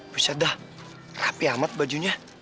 busyaddah rapi amat bajunya